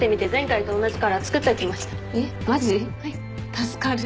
助かる。